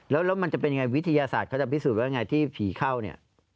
แล้วมันจะเป็นยังไงวิทยาศาสตร์เขาจะพิสูจนว่าไงที่ผีเข้าเนี่ย